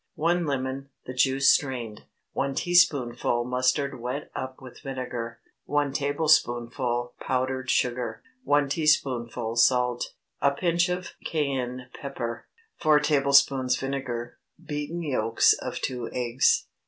1 lemon—the juice strained. 1 teaspoonful mustard wet up with vinegar. 1 tablespoonful powdered sugar. 1 teaspoonful salt. A pinch of cayenne pepper. 4 tablespoonfuls vinegar. Beaten yolks of two eggs.